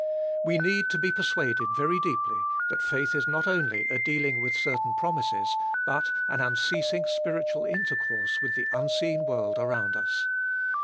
We need to be persuaded very deeply that faith is not only a dealing with certain promises, but an unceasing spiritual intercourse with the unseen world around us.